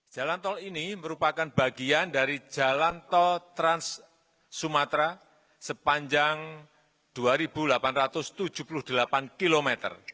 jalan tol ini merupakan bagian dari jalan tol trans sumatera sepanjang dua delapan ratus tujuh puluh delapan km